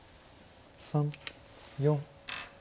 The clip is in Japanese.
３４。